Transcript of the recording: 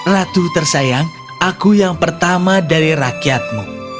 ratu tersayang aku yang pertama dari rakyatmu